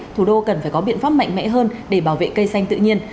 thủ đô cần phải có biện pháp mạnh mẽ hơn để bảo vệ cây xanh tự nhiên